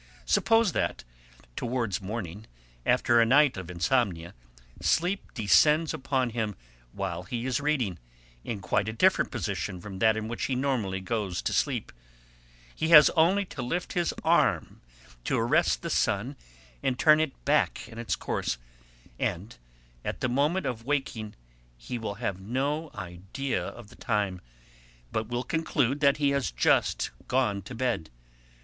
Suppose that, towards morning, after a night of insomnia, sleep descends upon him while he is reading, in quite a different position from that in which he normally goes to sleep, he has only to lift his arm to arrest the sun and turn it back in its course, and, at the moment of waking, he will have no idea of the time, but will conclude that he has just gone to bed.